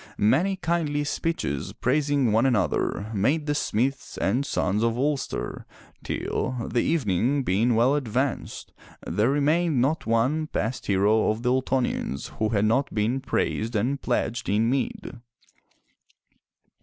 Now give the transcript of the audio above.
Many kindly speeches praising one another made the smiths and sons of Ulster, till, the evening being well advanced, there remained not one past hero of the Ultonians who had not been praised and pledged in mead.